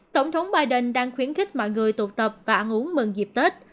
tổng thống biden đang khuyến khích mọi người tụ tập và ăn uống mừng dịp tết